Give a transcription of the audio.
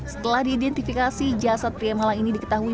setelah diidentifikasi jasad pria malang ini diketahui